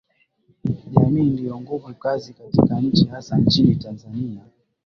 Jamii ndiyo nguvu kazi katika nchi hasa nchini Tanzania